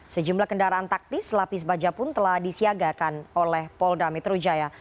sejumlah kendaraan taktis lapis baja pun telah disiagakan oleh polda metro jaya